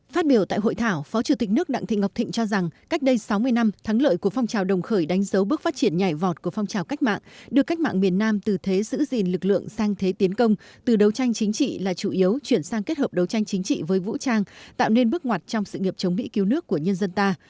phát biểu tại hội thảo phó chủ tịch nước đặng thị ngọc thịnh cho rằng cách đây sáu mươi năm thắng lợi của phong trào đồng khởi đánh dấu bước phát triển nhảy vọt của phong trào cách mạng được cách mạng miền nam từ thế giữ gìn lực lượng sang thế tiến công từ đấu tranh chính trị là chủ yếu chuyển sang kết hợp đấu tranh chính trị với vũ trang tạo nên bước ngoặt trong sự nghiệp chống mỹ cứu nước của nhân dân ta